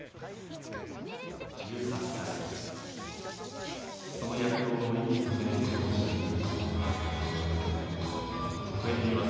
１８歳、その躍動をオリンピックで見せてほしい。